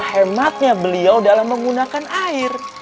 hematnya beliau dalam menggunakan air